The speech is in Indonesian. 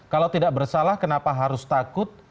kalau tidak bersalah kenapa harus takut